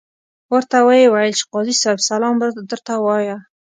ورته ویې ویل چې قاضي صاحب سلام درته وایه.